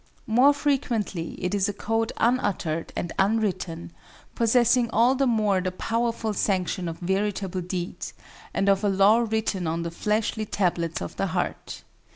More frequently it is a code unuttered and unwritten, possessing all the more the powerful sanction of veritable deed, and of a law written on the fleshly tablets of the heart.